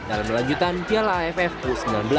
dalam lanjutan piala aff u sembilan belas